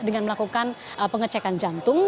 dengan melakukan pengecekan jantung